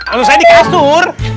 untuk saya di kasur